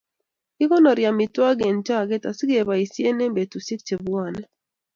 Kikonori amitwogik eng choget asikeboisie eng betusiek chebwone